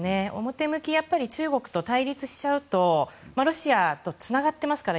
表向き、中国と対立しちゃうとロシアとつながっていますから。